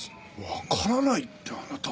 わからないってあなた。